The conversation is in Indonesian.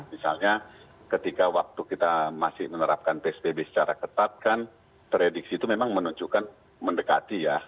misalnya ketika waktu kita masih menerapkan psbb secara ketat kan prediksi itu memang menunjukkan mendekati ya